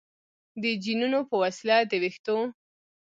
د جینونو په وسیله د ویښتو